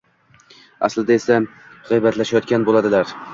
aslida esa g‘iybatlashayotgan bo‘ladilar.